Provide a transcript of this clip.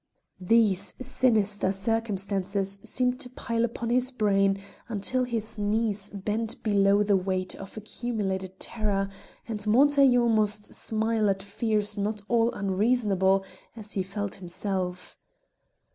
These sinister circumstances seemed to pile upon his brain till his knees bent below the weight of accumulated terror, and Montaiglon must smile at fears not all unreasonable, as he felt himself.